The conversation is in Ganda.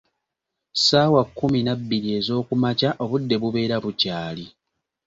Ssaawa kkumi na bbiri ezookumakya obudde bubeera bukyali.